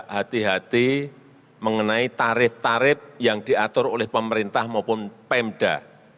hati hati mengenai tarif tarif yang diatur oleh pemerintah maupun pemda